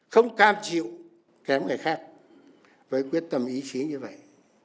không cam chịu kém người khác với quyết tâm ý chí như vậy